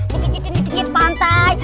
dipijetin dikit dikit pantai